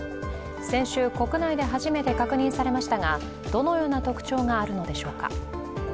先週国内で初めて確認されましたが、どのような特徴があるのでしょうか。